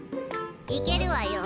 行けるわよ。